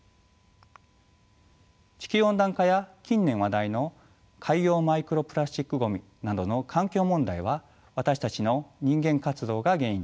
地球温暖化や近年話題の海洋マイクロプラスチックごみなどの環境問題は私たちの人間活動が原因です。